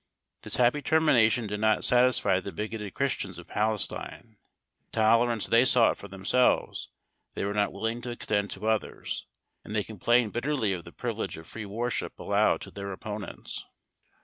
This happy termination did not satisfy the bigoted Christians of Palestine. The tolerance they sought for themselves, they were not willing to extend to others, and they complained bitterly of the privilege of free worship allowed to their opponents.